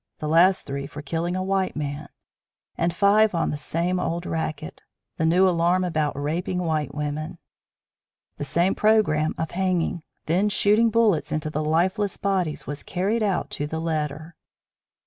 the last three for killing a white man, and five on the same old racket the new alarm about raping white women. The same programme of hanging, then shooting bullets into the lifeless bodies was carried out to the letter.